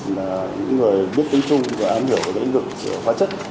là những người biết tính chung và ám hiểu lĩnh vực của hóa chất